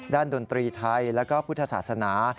ด้านดนตรีไทยและพุทธศาสนา